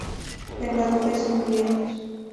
Vengadores Encubiertos".